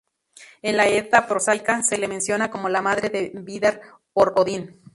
En la "Edda prosaica" se le menciona como la madre de Vidar por Odín.